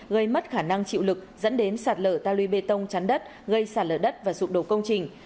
gây mất khả năng chịu lực dẫn đến sạt lở ta luy bê tông chắn đất gây sạt lở đất và sụp đổ công trình